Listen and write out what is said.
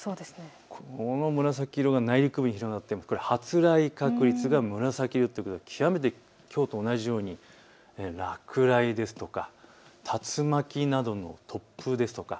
この紫色が内陸部に広がって発雷確率が紫色ということは極めてきょうと同じように落雷ですとか竜巻などの突風ですとか